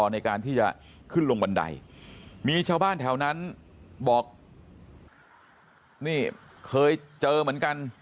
ในการที่จะขึ้นลงบันไดมีชาวบ้านแถวนั้นบอกนี่เคยเจอเหมือนกัน